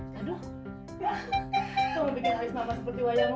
kamu bikin alis mama seperti wayangmu wak